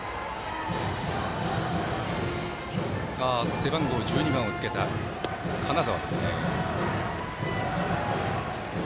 背番号１２番をつけた金澤ですね。